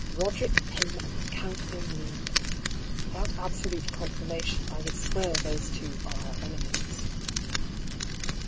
Boderick Pym and the count in league ! Without absolute con firmation I would swear those two are our enemies.